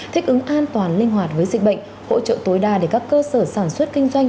thích ứng an toàn linh hoạt với dịch bệnh hỗ trợ tối đa để các cơ sở sản xuất kinh doanh